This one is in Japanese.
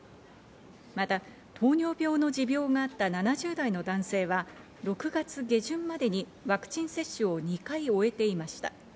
また、糖尿病の持病があった７０代の男性は、６月下旬までにワクチン接種を２回終えていました。